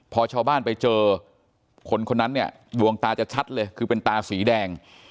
พอชาวบ้านไปเจอคนคนนั้นเนี่ยดวงตาจะชัดเลยคือเป็นตาสีแดง